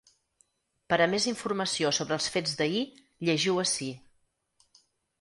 Per a més informació sobre els fets d’ahir, llegiu ací.